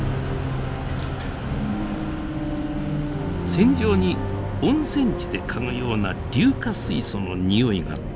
船上に温泉地で嗅ぐような硫化水素のにおいが立ちこめます。